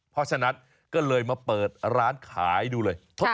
เพราะฉะนั้นก็เลยมาเปิดร้านขายดูเลย